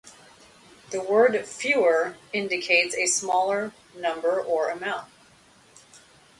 The word "fewer" indicates a smaller number or amount.